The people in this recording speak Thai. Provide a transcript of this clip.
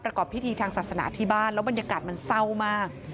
ประกอบพิธีทางศาสนาที่บ้านแล้วบรรยากาศมันเศร้ามาก